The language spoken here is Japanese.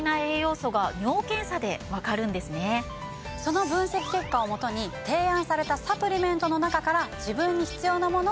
その分析結果をもとに提案されたサプリメントの中から自分に必要なものを選択。